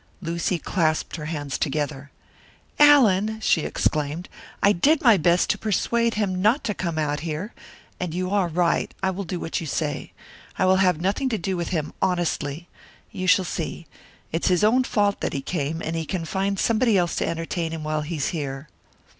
Lucy clasped her hands together. "Allan," she exclaimed, "I did my best to persuade him not to come out here. And you are right. I will do what you say I will have nothing to do with him, honestly. You shall see! It's his own fault that he came, and he can find somebody else to entertain him while he's here."